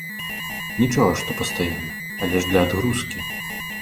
Нічога, што пастаянна, але ж для адгрузкі!